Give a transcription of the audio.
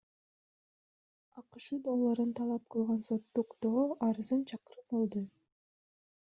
АКШ долларын талап кылган соттук доо арызын чакырып алды.